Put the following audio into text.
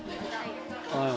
はい。